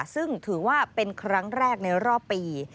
ซึ่งถือว่าเป็นครั้งแรกในรอบปี